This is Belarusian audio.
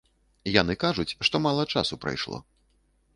Яны кажуць, што мала часу прайшло.